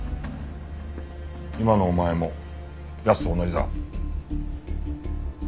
今のお前も奴と同じだ。